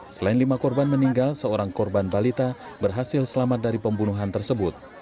selain lima korban meninggal seorang korban balita berhasil selamat dari pembunuhan tersebut